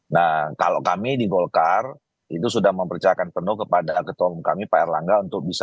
nah kalau kami di golkar itu sudah mempercayakan penuh kepada ketua umum kami pak erlangga untuk bisa